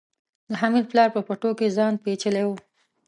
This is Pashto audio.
د حميد پلار په پټو کې ځان پيچلی و.